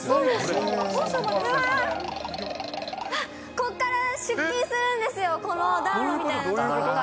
ここから出勤するんですよ、この暖炉みたいなところから。